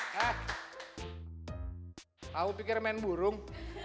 kamu pikir main burung